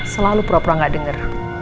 selalu pro pro ga denger